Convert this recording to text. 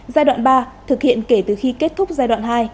giai đoạn ba thực hiện kể từ khi kết thúc giai đoạn hai